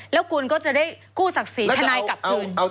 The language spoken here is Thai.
แล้วคุณก็จะได้กู้ศักดิ์ศรีทนายกลับคืน